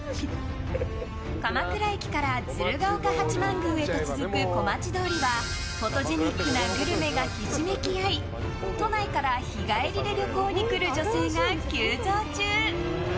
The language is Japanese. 鎌倉駅から鶴岡八幡宮へと続く小町通りはフォトジェニックなグルメがひしめき合い都内から日帰りで旅行に来る女性が急増中。